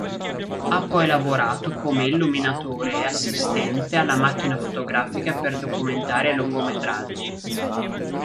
Ha poi lavorato come illuminatore e assistente alla macchina fotografica per documentari e lungometraggi.